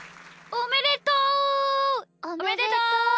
おめでとう！